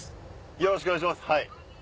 よろしくお願いします。